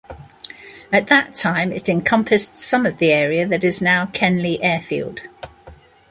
At that time, it encompassed some of the area that is now Kenley Airfield.